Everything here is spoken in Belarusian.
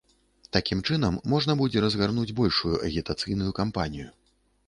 Такім чынам, можна будзе разгарнуць большую агітацыйную кампанію.